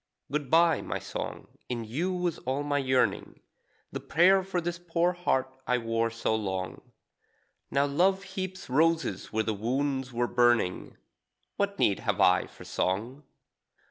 Good bye, my song, in you was all my yearning, The prayer for this poor heart I wore so long. Now love heaps roses where the wounds were burning; What need have I for song?